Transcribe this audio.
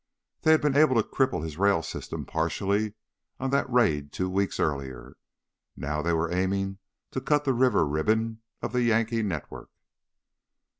They had been able to cripple his rail system partially on that raid two weeks earlier; now they were aiming to cut the river ribbon of the Yankee network.